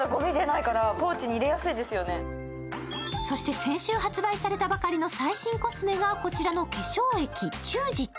そして先週発売されたばかりの最新コスメがこちらの化粧液ｃｈｏｏｓｅｉｔ。